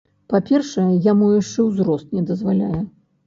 Па-першае, яму яшчэ узрост не дазваляе.